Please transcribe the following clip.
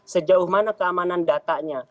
sejauh mana keamanan datanya